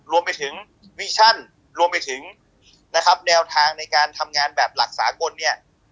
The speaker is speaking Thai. รวมไปถึงวิชั่นรวมไปถึงนะครับแนวทางในการทำงานแบบหลักสากลเนี่ย